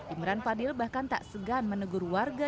imran fadil bahkan tak segan menegur warga